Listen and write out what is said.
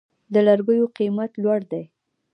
د لرګیو قیمت لوړ دی؟